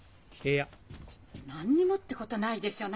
「何にも」ってことないでしょう？